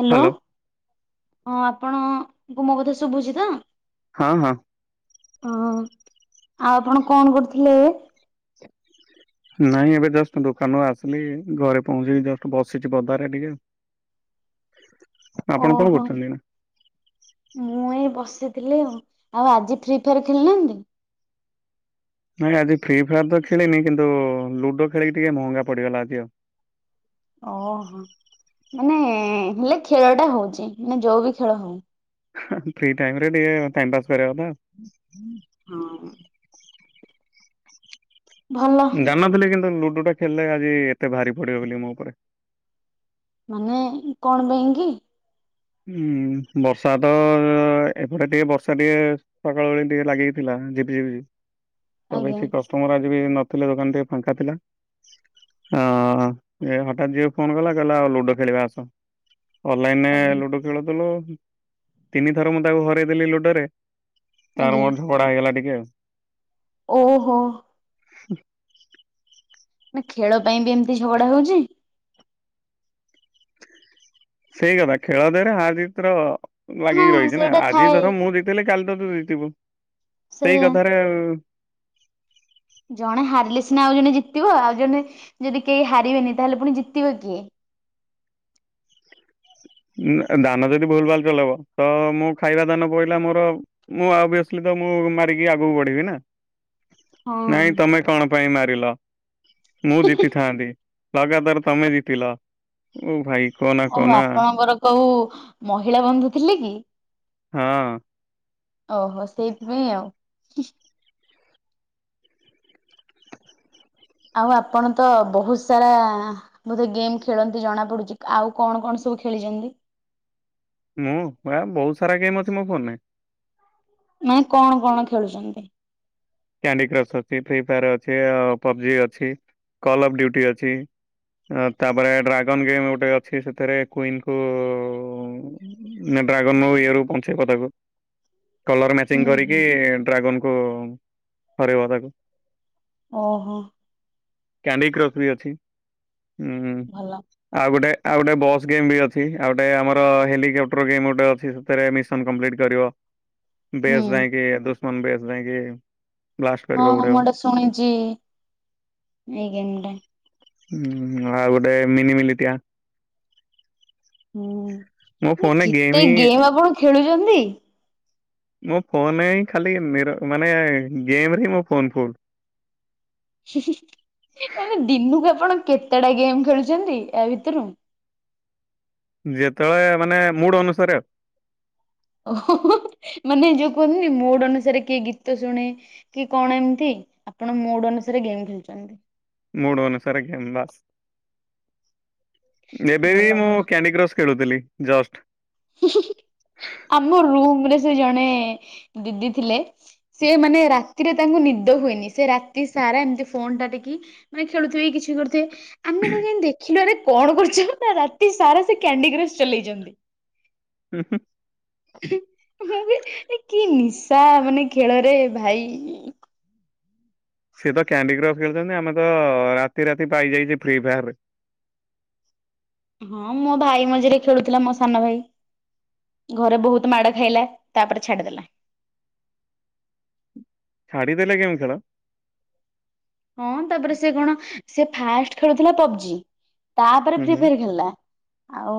Hello ହ ଆପଣଙ୍କୁ ମୋ କଥା ଶୁଭୁଛି ତ! ହଁ ହଁ। ହ ଆଉ ଆପଣ କଣ କରୁଥିଲେ? [inaudible] ନାଇଁ ଏବେ ଜଷ୍ଟ ଦୋକାନରୁ ଆସିଲି ଘରେ ପହଞ୍ଚିଲି ଜଷ୍ଟ ବସିଛି ବଧାରେ ଟିକେ ଆପଣ କଣ ଓହୋ କରୁଛନ୍ତି ନା? ମୁଁ ଏଇ ବସିଥିଲି ଆଉ ଆଉ ଆଜି ଫ୍ରି ଫାୟାର ଖେଳିନାହାନ୍ତି? ନାଇଁ ଆଜି ଫ୍ରି ଫାୟାର ତ ଖେଳିନି କିନ୍ତୁ ଲୁଡୋ ଖେଳିକି ଟିକେ ମହଙ୍ଗା ପଡିଗଲା ଆଜି ଆଉ। ଓହୋ। ମାନେ ହେଲେ ଖେଳ ଟା ହଉଚି ମାନେ ଯୋଉ ବି ଖେଳ ହଉ। ଫ୍ରି ଟାଇମରେ ଟିକେ ଟାଇମ ପାସ୍ କରିବା କଥା। ହଁ ଭଲ ଜାଣନଥିଲି କିନ୍ତୁ ଲୁଡୁ ଟା ଖେଳିଲେ ଆଜି ଏତେ ଭାରି ପଡିବ ବେଲି ମୋ ଉପରେ। ମାନେ କଣ ପାଇଁ କି? ଉଁ ବର୍ଷା ତ ଏପଟେ ଟିକେ ବର୍ଷା ଟିକେ ସକାଳୁ ବେଳି ଟିକେ ଲାଗିକି ଥିଲା। ଉଁ ଝିପି ଝିପି ତ ବେ ଆଜ୍ଞା ସେ କଷ୍ଟମର ଆଜି କେଇ ନଥିଲେ। ଦୋକାନ ଟିକେ ଫାଙ୍କା ଥିଲା। ହଁ ହଠାତ୍ ଝିଅ ଫୋନ କଲା କହିଲା ଆଉ ଲୁଡୋ ଖେଳିବା ଆସ। ଅନଲାଇନରେ ଆଜ୍ଞା ଲୁଡୋ ଖେଳୁ ଥିଲୁ ତିନି ଥର ମୁଁ ତାକୁ ହରେଇ ଦେଲି ଲୁଡୋ ରେ। ତାର ଆଜ୍ଞା ମୋର ଝଗଡା ହେଇଗଲା ଟିକେ ଆଉ। ଓହୋ। ହ ନା ଖେଳ ପାଇଁ ବି ଏମିତି ଝଗଡା ହଉଚି? ସେଇ କଥା ଖେଳ ଦେହରେ ହାର ଜିତ୍ ର ଲାଗିକି ହଁ ରହିଚି ନା। ସେଇଟା ଆଜି ଥାଏ ଧର ମୁଁ ଜିତିଲି। କାଲି ତ ତୁ ଜିତିବୁ। ସେଇ ସେଇଆ। କଥାରେ ଜଣେ ହାରିଲେ ସିନା ଆଉ ଜଣେ ଜିତିବ ଆଉ ଜଣେ ଯଦି କେଇ ହାରିବେନି ତାହେଲେ ପୁଣି ଜିତିବ କିଏ? ଉଁ ଆ ଦାନ ଯଦି ଭୁଲ ଭାଲ ଚଲେଇବ। ତ ମୁଁ ଖାଇବା ଦାନ ପଇଲା ମୋର ମୁଁ ଅଭିଏସ୍ଲି ତ ତ ମୁଁ ମାରିକି ଆଗକୁ ବଢିବି ନା? ନାଇଁ ହଁ। ତମେ କଣ ପାଇଁ ମାରିଲ ମୁଁ ଜିତିଥାନ୍ତି। ଲଗାତାର ତମେ ଜିତିଲ। ଓଃ ଭାଇ କହନା କହନା ମୋର କୋଉ ମହିଳା ବନ୍ଧୁ ଥିଲେ କି? ହଁ ଓହୋ ସେଇଥିପାଇଁ ଆଉ। ଆଉ ଆପଣ ତ ବହୁତ ସାରା ବୋଧେ ଗେମ୍ ଖେଳନ୍ତି ଜଣା ପଡୁଚି। ଆଉ କଣ କଣ ସ ସବୁ ଖେଳିଚନ୍ତି? ମୁଁ ଆ ବହୁତ ସାରା ଗେମ୍ ଅଛି ମୋ ଫୋନରେ। ମାନେ କଣ କଣ ଖେଳୁଚନ୍ତି? କ୍ୟାଣ୍ଡି କ୍ରସ୍ ଅଛି, ଫ୍ରି ଫାୟାର ଅଛି, ପବଜି ଅଛି, କଲ୍ ଅଫ୍ ଡୁଟି ଅଛି। ଆ ତା ପରେ ଡ୍ରାଗନ ଗେମ୍ ଗୋଟେ ଅଛି। ସେଥିରେ କୁଇନ କୁ ନେ ଡ୍ରାଗନର ଇଏ ରୁ ବଞ୍ଚେଇବ ତାକୁ। କଲର ମ୍ୟାଚିଂ ହୁଁ କରିକି ହୁଁ ଡ୍ରାଗନକୁ ହରେଇବ ତାକୁ। ଓହୋ। କ୍ୟାଣ୍ଡି କ୍ରକ ବି ଅଛି। ଉଁ ଭଲ ଆଉ ଗୋଟେ ଆଉ ଗୋଟେ ବସ୍ ଗେମ୍ ବି ଅଛି। ଆଉ ଗୋଟେ ଆମର ହେଲିକାପ୍ଟର ଗେମ୍ ଗୋଟେ ଅଛି ସେଥିରେ ମିଶନ କମ୍ପ୍ଲିଟ୍ କରିବ। ହୁଁ ବେଚ ନାଇଁ କି ଦୁଶମନ ବେଚ ନାଇଁ କି। ହଁ ହଁ ମୁଁ ଏଟା ଶୁଣିଛି ଏଇ ଗେମ ଟା। ଉଁ ଆଉ ଗୋଟେ ମିନିମିଲିଟିଆ। ହୁଁ ନା କେତେ ହିଁ ଗେମ୍ ଆପଣ ଖେଳୁଚନ୍ତି? ମୋ ଫୋନ ରେ ହିଁ ଖାଲି ମେର୍ ମାନେ ଗେମରେ ହିଁ ମୋ ଫୋନ୍ ଫୁଲ୍। ହି-ହି-ହି। ମାନେ ଦିନୁକୁ ଆପଣ କେତେ ଟା ଗେମ୍ ଖେଳୁଚନ୍ତି ଆ ଭିତୁରୁ? ଯେତେବେଳେ ମାନେ ମୁଡ ଅନୁସାରେ ଆଉ। ଓଃହୋ ହୋ। ମାନେ ଯୋଉ କୁହନ୍ତିନି ମୁଡ ଅନୁସାରେ କିଏ ଗୀତ ଶୁଣେ କି କଣ ଏମିତି ଆପଣ ମୁଡ ଅନ ସାରେ ଗେମ୍ ଖେଳୁଚନ୍ତି। ମୁଡ ଅନୁସାରେ ଗେମ୍ ବାସ୍। ଏବେ ଭଲ ବି ମୁଁ କ୍ୟାଣ୍ଡି କ୍ରସ୍ ଖେଳୁଥିଲି ଜଷ୍ଟ। ହି ହି ଆମ ରୁମରେ ସେ ଜଣେ ଦିଦି ଥିଲେ। ସିଏ ମାନେ ରାତିରେ ତାଙ୍କୁ ନିଦ ହୁଏନି ସେ ରାତି ସାରା ଏମିତି ଫୋନ୍ ଟା ଟିକି ମାନେ ଖେଳୁଥିବେ। କି ଛି କରୁଥିବେ। ଆମେ ତ ଯେନତି ଦେଖିଲୁରେ କଣ କରୁଛ? ନା ରାତି ସାରା ସେ କ୍ୟାଣ୍ଡି କ୍ରସ ଚଲେଇଛନ୍ତି। ହୁ ହୁ। କି ନିଶା ମାନେ ଖେଳରେ ଭାଇ ସେ ତ କ୍ୟାଣ୍ଡି କ୍ରସ ଖେଳୁଛନ୍ତି। ଆମେ ତ ରାତି ରାତି ପାହିଯାଇଛେ ଫ୍ରି ଫାୟାରରେ ହଁ ମୋ ଭାଇ ମଝିରେ ଖେଳୁଥିଲା ମୋ ସାନ ଭାଇ ଘରେ ବହୁତ ମାଡ ଖାଇଲା ତାପରେ ଛାଡିଦେଲା। ଛାଡିଦେଲେ ଗେମ୍ ଖେଳ? ହଁ ତାପରେ ସେ କଣ ସେ ଫାଷ୍ଟ ଖେଳୁଥିଲା ପବଜି ତାପରେ ହୁଁ ଫ୍ରି ହୁଁ ଫାୟାର ଖେଳି। ଆଉ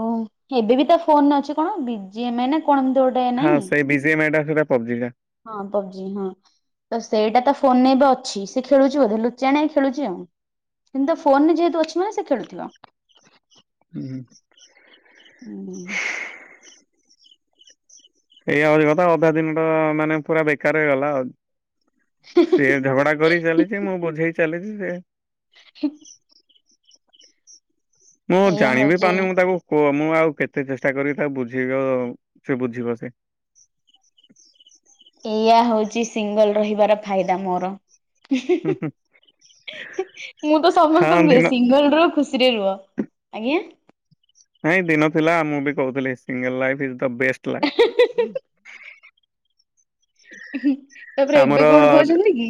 ଏବେ ବି ତା ଫୋନରେ ଅଛି କଣ ବି ଜି ଏମ୍ ନା କଣ ଏମିତି ଗୋଟେ ହଁ ନାହିଁ। ସେଇ ବିଜିଏମ ଏଟା ସେଟା ପବଜି ଟା। ପବ୍ଜି ହଁ ପବ୍ଜି ତ ସେଇଟା ଫୋ ଫୋନେରେ ଏବେ ଅଛି ସେ ଖେଳୁ ଚି ବୋଧେ ଲୁଚାଣିଆ ଖେଳୁଛି ଆଉ କିମୁ ତ ଫୋନ ରେ ଯେହେତୁ ଅଛି ନା ସେ ଖେଳୁଥିବ। ହୁଁ ହ। ହୁଁ। ଏଇଆ ହଉଛି କଥା ଅଧା ଦିନଟା ମାନେ ପୁରା ବେକାର ହେଇଗଲା ଆଉ। ସେ ଝଗଡା କରି ଚାଲିଛି। ମୁଁ ବୁଝେଇ ଚାଲିଛି ସେ ହେ। ମୁଁ ଏଇଆ ଜାଣିବି ହଉଛି ପାରୁନି ମୁଁ ତାକୁ କୁହ ମୁଁ ଆଉ କେତେ ଚେଷ୍ଟା କରିକି ତାକୁ ବୁଝେଇବି ଆଉ ସେ ବୁଝିବ ସେ ଏଇଆ ହଉଛି ସିଙ୍ଗଲ ରହିବାର ଫାଇଦା ମୋର। ମୁଁ ହୁଁ ତ ହୁଁ ସମସ୍ତଙ୍କୁ ହଁ କୁହେ ଦିନ ସିଙ୍ଗଲର ଖୁସି ସିରେ ରୁହ ଆଜ୍ଞା। ନାଇଁ ଦିନ ଥିଲା ମୁଁ ବି କହୁଥିଲି single life is the best life. ତାପରେ ଏବେ କଣ ଆମର କହୁଛନ୍ତି କି?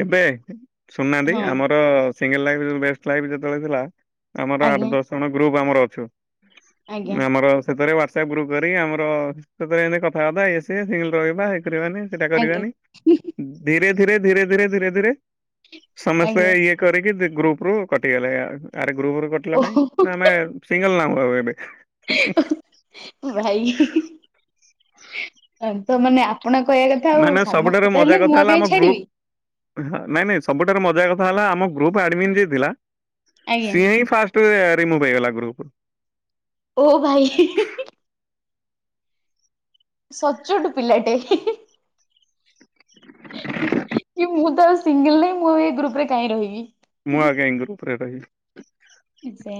ଏବେ ଶୁଣୁନାହାନ୍ତି ହଁ ଆମର ସିଙ୍ଗଲ ଲାଇଫ ବେଷ୍ଟ୍ ଲାଇଫ ଯେତେବେଳେ ଥିଲା ଆମର ଆଠ ଆଜ୍ଞା ଦଶ ଜଣ ଗ୍ରୁପ ଆମର ଅଛୁ ଆଜ୍ଞା ଆମର ସେଥିରେ ୱାଟ ସପ୍ ଗ୍ରୁପ କରି ଆମର ସେଥିରେ ଏମିତି କଥାବାର୍ତା ଇଏ ସିଏ ସିଙ୍ଗଲ ରହିବା ହେ କରିବାନି ସେଇଟା ଆଜ୍ଞା କରିବାନି ଧୀରେ ଧୀରେ ଧୀରେ ଧୀରେ ଧୀରେ ଧୀରେ ସମସ୍ତେ ଆଜ୍ଞା ଇଏ କରିକି ଗ୍ରୁପ ରୁ କଟିଗଲେ ଆର ଗ୍ରୁପରୁ କଟିଲ କାଇଁ ଓହୋ ନା ଆମେ ସିଙ୍ଗଲ ନାଁ ଆଉ ଏବେ ଭାଇ ତ ମାନେ ଆପ ନାଇଁ ନାଇଁ ସବୁଠାରୁ ମଜା କଥା ହେଲା କାହିଁ ଆମ ଗ୍ରୁ ଛାଡିବି ନାଇଁ ନାଇଁ ସବୁଠାରୁ ମଜା କଥା ଥାହେଲା ଆମ ଗୃପ ଆଡମିନ ଯିଏ ଥିଲା ଆଜ୍ଞା ସିଏ ହିଁ ଫାଷ୍ଟ୍ ରୀମୁଭ ହେଇଗଲା ଗ୍ରୁପ୍ ରୁ। ଓ ଭାଇ ସଚ୍ଚୋଟ ପିଲାଟେ କି ମୁଁ ତ ଆଉ ସିଙ୍ଗଲ ନାହିଁ। ମୁଁ ଏ ଗ୍ରୁପ ରେ କାହିଁ ରହିବି। ମୁଁ ଆଉ କାଇଁ ଗ୍ରୁପ ରେ ରହିବି। ସେ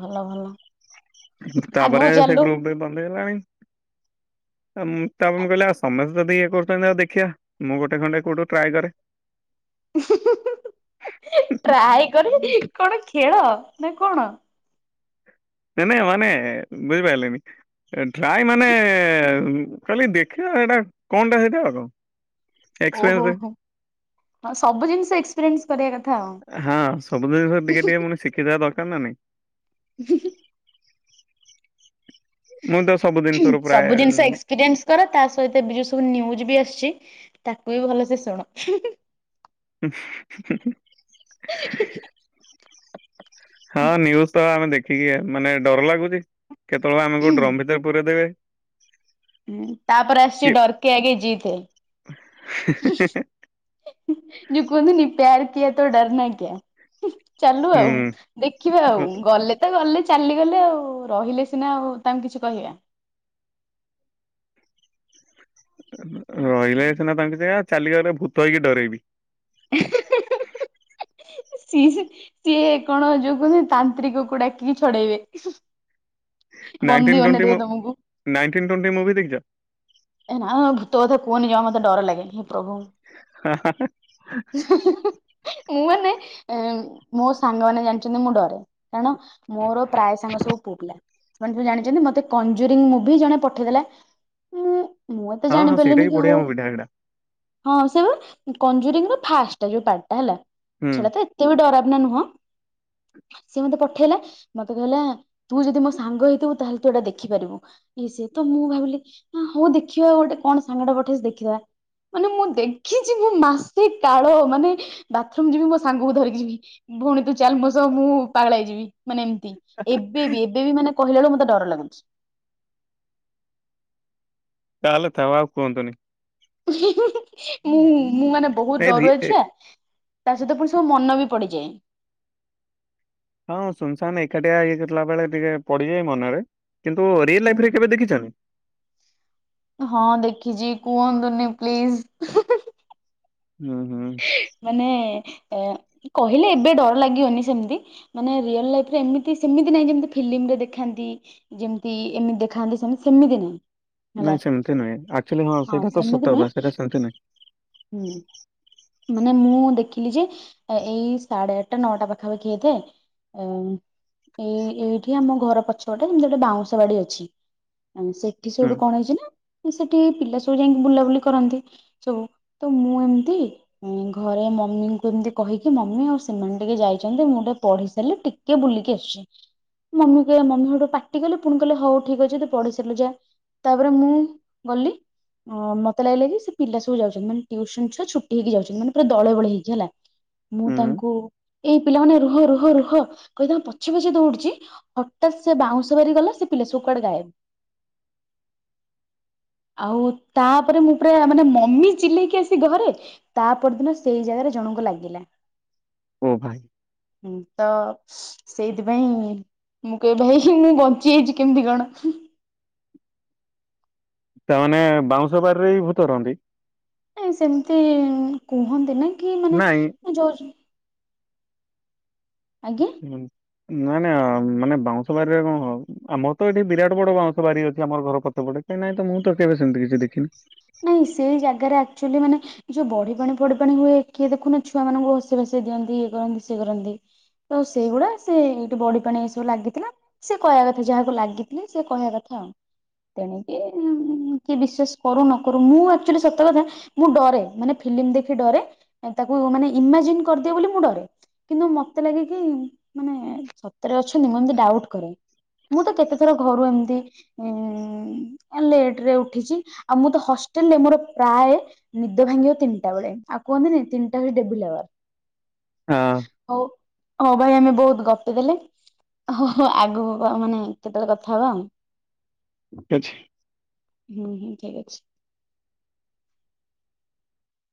ଭଲ ଭଲ। ଆଗକୁ ତାପରେ ସେ ଚାଲୁ ଗ୍ରୁପ ବି ବନ୍ଦ ହେଇଗଲାଣି। ତା ମୁଁ ତାପରେ ମୁଁ କହିଲି ସମସ୍ତେ ଯଦି ଇଏ କରୁଛନ୍ତି ଆଉ ଦେଖିବା ମୁଁ ଗୋଟେ ଖଣ୍ଡେ କଉଠୁ ଟ୍ରାଏ କରେ। ଟ୍ରାଏ କରି କଣ ଖେଳ ନା କଣ? ନାଇ ନାଇ ମାନେ ବୁଝିପାରିଲେନି ଟ୍ରାଏ ମାନେ କହିଲି ଦେଖିବା ସେଇଟା କଣଟା ସେଇଟା ଆଉ। ଓହୋ ଏକ୍ସପିରିଏନ୍ସ ହ ସବୁ ଜିନିଷ ଏକ୍ସପିରିଏନ୍ସ କରିବା କଥା। ଆଉ। ହଁ ସବୁ ଜିନିଷ ଟିକେ ଟିକେ ଫୁଣି ଶିଖିଥିବା ଦରକାର ନା ନାଇଁ। ହି ହିଁ ହିଁ। ମୁଁ ତ ସବୁ ଜିନିଷରୁ ପ୍ରାୟ ସବୁ ଜିନିଷ ଏକ୍ସପିରିଏନ୍ସ କର, ତା ସହିତ ବି ଯୋଉ ସବୁ ନ୍ୟୁଜ୍ ବି ଆସିଛି। ତାକୁ ବି ଭଲସେ ଶୁଣ। [inaudible] ହଁ ନ୍ୟୁଜ ତ ଆମେ ଦେଖିକି ମାନେ ଡର ଲାଗୁଛି। କେତେବେଳେ ଆମ କୁ ଡ୍ରମ୍ ଭିତରେ ପୁରେଇ ଦେବେ। ହଁ ତାପରେ କି ଆସିଛି ଡରକେ ଆଗେ ଜିତ୍ ହେ। [inaudible] ଯୋଉ କୁହନ୍ତିନି ପ୍ୟାର କିଆ ତ ଡର ନା କ୍ୟା। ଚାଲୁ ଆଉ, ହୁଁ ଦେଖିବା ଆଉ ଗଲେ ତ ଗଲେ ଚାଲିଗଲେ ଆଉ ରହିଲେ ସିନା ଆଉ ତାଙ୍କୁକୁ କିଛି କହିବା। ରହିଲେ ସିନା ତାଙ୍କ [unintelligible] ଚାଲିଗଲେ ଭୂତ ହେଇକି ଡରେଇବି। [inaudible] ସିଏ ସିଏ କଣ ଯୋଉ କୁହନ୍ତି ତାନ୍ତ୍ରିକ କୁ ଡାକିକି ଛଡେଇବେ। ବନ୍ଦୀ ବନେଇଦେବେ ତମକୁ। ନାଇଣ୍ଟିନ ଟୋଣ୍ଟି ମୁଭି ଦେଖିଚ? ଏ ନା ଭୂତ କଥା କୁହନି ଜମା ମତେ ଡର ଲାଗେ। ପ୍ରଭୁ ମୁଁ ମାନେ ମୋ ସାଙ୍ଗ ମାନେ ଜାଣିଛନ୍ତି ମୁଁ ଡରେ। କାରଣ ମୋର ପ୍ରାୟ ସାଙ୍ଗ ସବୁ ପୁଅ ପିଲା। ସେମାନେ ସବୁ ଜାଣିଛନ୍ତି ମତେ କଂଞ୍ଜୁରି ମୁଭି ଜଣେ ପଠେଇଦେଲା ମୁଁ [inaudible] ମୁଁ ଏତେ ହଁ ହଁ ସେଇଟା ଜାଣିପାରିଲିନି ବି କି ହଉ। ବଢିଆ ମୁଭିଟା ହେଟା ହଁ ସେ କଂଜୁରିଂ ର ଫାଷ୍ଟ ଯୋଉ ପାର୍ଟ ହେଲା। ହୁଁ। ସେଟା ତ ଏତେ ବି ଡରାବନା ନୁହଁ। ସିଏ ମତେ ପଠେଇଲା। ମତେ କହିଲା ତୁ ଯଦି ମୋ ସାଙ୍ଗ ହେଇଥିବୁ ତାହେଲେ ତୁ ଏଇଟା ଦେଖିପାରିବୁ। ଏଇ ସେ ତ ମୁଁ ଭାବିଲି ହଉ ଦେଖିବା ଗୋଟେ କଣ ସାଙ୍ଗଟା ପଠେଇ ଦେଖିଦବା। ମାନେ ମୁଁ ଦେଖିଛି ମୁଁ ମାସେ କାଳ ମାନେ ବାଥରୁମ ଯିବି ମୋ ସାଙ୍ଗକୁ ଧରିକି ଯିବି। ଭଉଣୀ ତୁ ଚାଲ ମୋ ସହ ମୁଁ ପାଗଳ ହେଇଯିବି। ମାନେ ଏମିତି ଏବେ ବି ଏବେ ବି ମାନେ କହିଲା ବେଳ କୁ ମତେ ଡର ଲାଗୁଛି। ତାହେଲେ ଥାଉ ଆଉ କୁହନ୍ତୁନି। ମୁଁ ମୁଁ ମାନେ ବହୁତ ଏ ରି ଏ ଡରୁଆଛୁଆ। ତା ସହିତ ପୁଣି ସବୁ ମନ ବି ପଡିଯାଏ। ହଁ ସୁନସାନ ଏକାଠିଆ ହେଇଥିଲା ବେଳେ ଟିକେ ପଡିଯାଏ ମନରେ। କିନ୍ତୁ ରିଅଲ ହୁଁ। ଲାଇଫ ରେ କେବେ ଦେଖିଛ? ହଁ ଦେଖିଛି କୁହନ୍ତୁନି ପ୍ଲିଜ। ହୁଁ ହୁଁ ମାନେ ଏ କହିଲେ ଏବେ ଡର ଲାଗିବନି ସେମିତି। ମାନେ ରିଅଲ ଲାଇଫ ରେ ଏମିତି ସେମିତି ନାହିଁ ଯେମତି ଫିଲ୍ମ ଦେଖାନ୍ତି ଯେମିତି ଏମିତି ଦେଖାନ୍ତି ସେମତି ସେମିତି ନାହିଁ। ହେଲା ନାଇଁ ସେମିତି ନାଇଁ ଆକ୍ଚୁଆଲି ହଁ ସେଇଟା ତ ସେମିତି ନୁହେଁ ସତକଥା ସେଇଟା ସେମିତି ନାଇଁ। ହୁଁ ମାନେ ମୁଁ ଦେଖିଲି ଯେ ଏଇ ସାଢେ ଆ ଆଟା ନଅଟା ପାଖାପାଖି ଏଇଥାଏ ଏଇ ଏଇଠି ଆମ ଘର ପଛ ପଟେ ଯେମିତି ଗୋଟେ ବାଉଁଶ ବାଡି ଅଛି। ସେଠି ହୁଁ। ସୋଠୁ କଣ ହେଇଛି ନା ସେଠି ପିଲା ସବୁ ଯାଇକି ବୁଲାବୁଲି କରନ୍ତି ସବୁ। ତ ମୁଁ ଏମତି ଘରେ ମମିଙ୍କୁ ଏମିତି କହିକି ମମି ଆଉ ସେମାନେ ଟିକେ ଯାଇଛନ୍ତି ମୁଁ ଗୋଟେ ପଢି ସାରିଲି ଟିକେ ବୁଲ ବୁଲିକି ଆସୁଛି। ମମି କହିଲେ ମମି ହେଠୁ ପାଟି କଲେ ପୁଣି କହିଲେ ହଉ ଠିକ ଅଛି ତୁ ପଢି ସାରିଲେ ଯା। ତାପରେ ମୁଁ ଗଲି ମତେ ଲାଗିଲା କି ସେ ପିଲା ସବୁ ଯାଉଛନ୍ତି ମାନେ ଟ୍ୟୁସନ ଛୁଆ ଛୁ ହେଇକି ଯାଉଛନ୍ତି ମାନେ ପୁରା ଦଳେ ବଳେ ହେଇକି ହେଲା। ମୁଁ ହୁଁ ତାଙ୍କୁ ଏ ଏଇ ପିଲାମାନେ ରୁହ ରୁହ ରୁହ କହି ତାଙ୍କ ପଛେ ପଛେ ଦୌଡୁଛି। ହଠାତ୍ ସେ ବାଉଁଶ ବାରି ଗଲା ସେ ସବୁ କୁଆଡେ ଗାଏବ। [inaudible] ଆଉ ତାପରେ ମୁଁ ପୁରା ମାନେ ମମି ଚିଲେଇକି ଆସି ଘରେ ତା ପରଦିନ ସେଇ ଜାଗାରେ ଜଣଙ୍କୁ ଲାଗିଲା। ଓ ଭାଇ ହୁଁ ତ ସେଇଥିପାଇଁ ମୁଁ କହିବି ଭାଇ ମୁଁ ବଞ୍ଚି ଯାଇଛି କେମିତି କଣ? ସେମାନେ ବାଉଁଶବାରରେ ବି ଭୂତ ହନ୍ତି? ଏ ସେମିତି କୁହନ୍ତି ନା କି ମାନେ ନାଇଁ ଯୋଉ ଆଜ୍ଞା। ହୁଁ, ନାଇଁ ନା ମାନେ ବାଉଁଶ ବାରିରେ କଣ ହ ଆମର ତ ଏଠି ବିରାଟ ବଡ ବାଉଁଶ ବାରି ଅଛି ଆମର ଘର ପଛ ପଟେ ନାଇଁ ତ ମୁଁ ତ କେବେ ସେମିତି କିଛି ଦେଖିନି ନାଇଁ ସେଇ ଜାଗାରେ ଆକ୍ଚୁଆଲି ମାନେ ଯୋଉ ବଢି ପାଣି ପଡି ପାଣି ହୁଏ କିଏ ଦେଖୁନ ଛୁଆ ମାନଙ୍କୁ ହସିବା ବାସିବ ଦିଅନ୍ତି ଇଏ କରନ୍ତି ସେ କରନ୍ତି ତ ସେଇଗୁଡା ସେ ଏଇଠୁ ବଡି ପାଣି ଏଇ ସବୁ ଲାଗିଥିଲା ସେ କହିବା କଥା ଯାହାକୁ ଲାଗିି ସେ କହିବା କଥା ତେଣିକି କି ବିଶ୍ୱାଷ କରୁନ। ମୁଁ ଆକଚୁଅଲି ସତ କଥା ମୁଁ ଡରେ ମାନେ ଫିଲିମ ଦେଖି ଡରେ ତାକୁ ମାନେ ଇମାଜିନ କ ବୋଲି ମୁଁ ଡରେ କିନ୍ତୁ ମତେ ଲାଗେ କି ମାନେ ସତରେ ଅଛନ୍ତି ମୁଁ ଏମିତି ଡାଉଟ କରେ ମୁଁ ତ କେତେଥର ଘରୁ ଏମତି ଲେଟ ରେ ଉଠିଛି ଆଉ ମୁଁ ତ ହଷ୍ଟେଲ ରେ ମୋର ପ୍ରାୟ ନିଦ ଭାଙ୍ଗିବ ତିନିଟା ବେଳେ ଆଉ କୁହନ୍ତିନି ତିନିଟା ବେଳେ ଡବିଲ ହଁ। ହଁ ଭାଇ ଆମେ ବହୁତ ଗପି ଦେଲେ ହ ଆଗ ମାନେ କେତେବେଳେ କଥା ହବା ଆଉ। ଠିକ ଅଛି। ହୁଁ ହୁଁ ଠିକ ଅଛି।